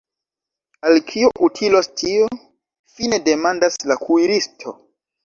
Al kio utilos tio?fine demandas la kuiristo.